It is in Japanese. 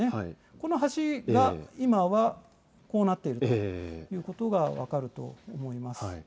この橋が今はこうなっているということが分かると思います。